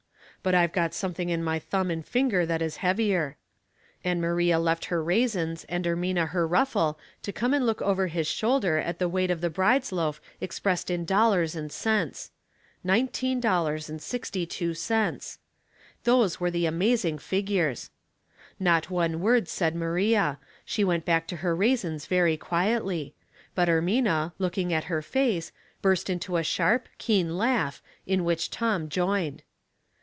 ''But I've got something in my thumb and finger that is heavier." And Maria left her raisins and Ermina her ruffle to come and look over his shoulder at the weight of the bride's loaf expressed in dollars and cents — $19.62. Those were the amazing figures. Not one word said Maria, she went back to her raisins very quietly ; but Ermina, looking at her face, burst into a sharp, keen laugh, in which Tom joined.